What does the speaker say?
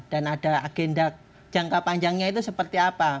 dan ada agenda jangka panjangnya itu seperti apa